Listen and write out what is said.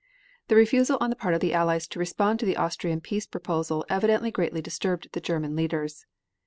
The refusal on the part of the Allies to respond to the Austrian peace proposal evidently greatly disturbed the German leaders.